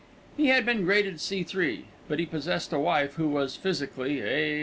He had been graded C3; but he possessed a wife who was, physically, A1.